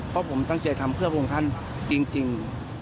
เพราะผมตั้งใจทำเพื่อพระองค์ท่านจริง